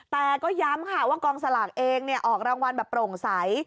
แต่ก็ย้ำค่ะว่ากองสลากเองออกรางวัลแบบโปร่งใส